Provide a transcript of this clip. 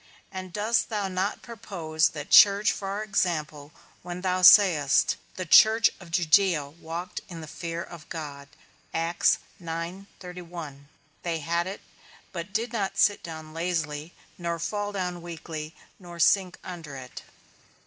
And dost thou not propose that church for our example when thou sayest, the church of Judea walked in the fear of God; they had it, but did not sit down lazily, nor fall down weakly, nor sink under it.